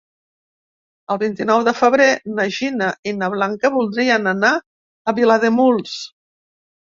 El vint-i-nou de febrer na Gina i na Blanca voldrien anar a Vilademuls.